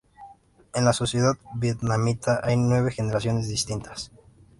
En la sociedad vietnamita, hay nueve generaciones distintas.